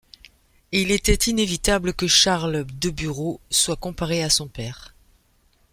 Il était inévitable que Charles Deburau soit comparé à son père.